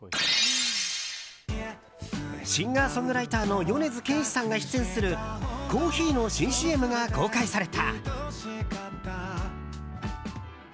シンガーソングライターの米津玄師さんが出演するコーヒーの新ＣＭが公開された。